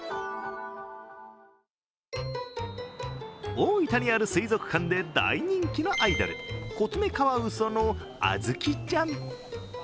大分にある水族館で大人気のアイドル、コツメカワウソのあずきちゃん。